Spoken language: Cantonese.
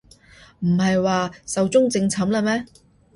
唔係話壽終正寢喇咩